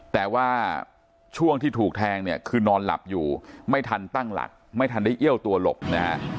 แต่ว่าช่วงที่ถูกแทงเนี่ยคือนอนหลับอยู่ไม่ทันตั้งหลักไม่ทันได้เอี้ยวตัวหลบนะฮะ